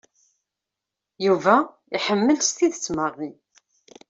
Yuba iḥemmel s tidet Mary.